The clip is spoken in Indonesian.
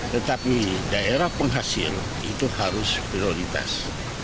tetapi daerah penghasil itu harus prioritas